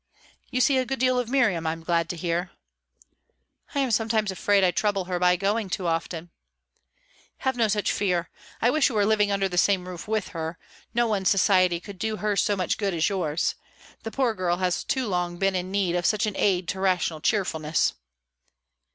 "You see a good deal of Miriam, I'm glad to hear." "I am sometimes afraid I trouble her by going too often." "Have no such fear. I wish you were living under the same roof with her. No one's society could do her so much good as yours. The poor girl has too long been in need of such an aid to rational cheerfulness."